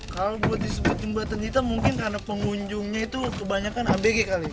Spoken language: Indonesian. kalau buat disebut jembatan kita mungkin karena pengunjungnya itu kebanyakan abg kali